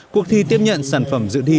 cuộc thi tiếp nhận sản phẩm dự thi